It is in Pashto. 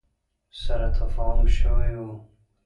سره تفاهم شوی ؤ